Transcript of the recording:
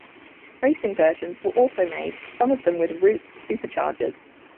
Racing versions were also made, some of them with Roots superchargers.